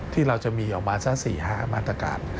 ที่เราจะมีออกมาสัก๔๕มาตรการ